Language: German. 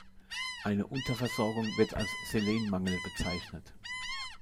Eine Unterversorgung wird als Selenmangel bezeichnet.